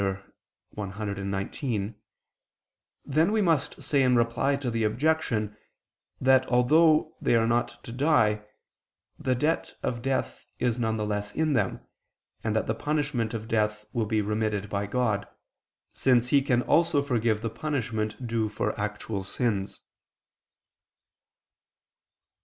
cxix), then we must say in reply to the objection, that although they are not to die, the debt of death is none the less in them, and that the punishment of death will be remitted by God, since He can also forgive the punishment due for actual sins.